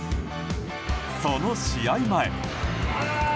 その試合前。